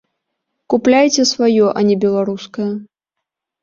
Купляйце сваё, а не беларускае!